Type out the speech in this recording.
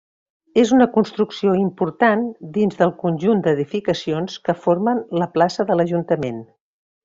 És una construcció important dins del conjunt d'edificacions que formen la plaça de l'Ajuntament.